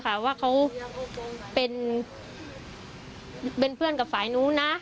ค่ะว่าเขาเป็นเพื่อนกับฝ่ายนู้นนะ